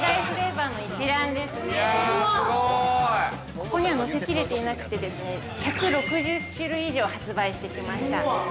ここには載せ切れていなくてですね、１６０種類以上、発売してきました。